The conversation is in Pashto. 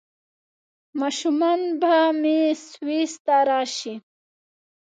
ماشومان به مې سویس ته راشي؟